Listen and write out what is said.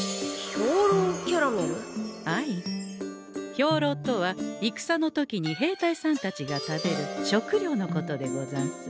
兵糧とは戦の時に兵隊さんたちが食べる食糧のことでござんす。